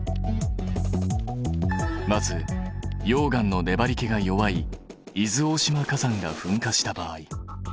まず溶岩のねばりけが弱い伊豆大島火山が噴火した場合。